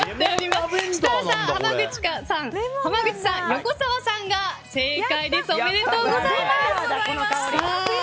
おめでとうございます。